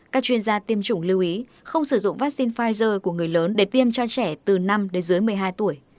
các chuyên gia tiêm chủng lưu ý không sử dụng vaccine pfizer của người lớn để tiêm cho trẻ từ năm đến dưới một mươi hai tuổi